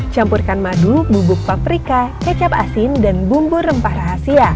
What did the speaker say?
campurkan madu bubuk paprika kecap asin dan bumbu rempah rahasia